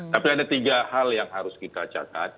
tapi ada tiga hal yang harus kita catat